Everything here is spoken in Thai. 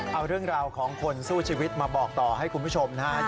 เอาเรื่องราวของคนสู้ชีวิตมาบอกต่อให้คุณผู้ชมนะครับ